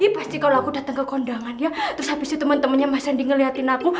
pasti kalo aku dateng ke kondangan ya terus abis itu temen temennya mas randi ngeliatin aku